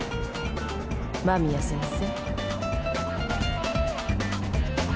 間宮先生。